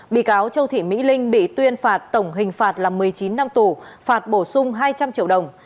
bị cáo châu thị mỹ linh bị tuyên phạt tổng hình phạt là một mươi chín năm tù phạt bổ sung hai trăm linh triệu đồng